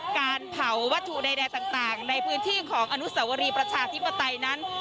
การเผาวัตถุใดต่างในพื้นที่ของอนุสวรีประชาธิปไตยนั้น